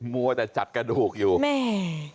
มัวแต่จัดกระดูกอยู่แม่